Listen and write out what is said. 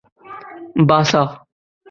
باسا